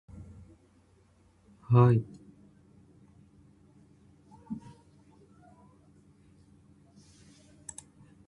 The car retains none of the back story from its anime counterpart.